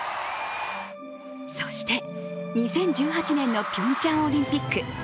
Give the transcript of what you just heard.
そして２０１８年のピョンチャンオリンピック。